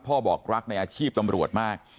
บอกรักในอาชีพตำรวจมาก